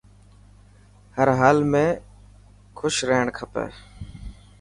هر حال ۾ کوش رهڻ کپي.